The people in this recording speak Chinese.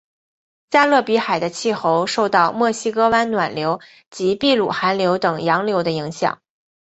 加勒比海的气候受到墨西哥湾暖流及秘鲁寒流等洋流的影响。